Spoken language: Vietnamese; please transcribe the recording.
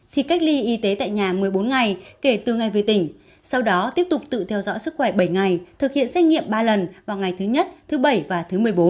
thì cách ly y tế tại nhà một mươi bốn ngày kể từ ngày về tỉnh sau đó tiếp tục tự theo dõi sức khỏe bảy ngày thực hiện xét nghiệm ba lần vào ngày thứ nhất thứ bảy và thứ một mươi bốn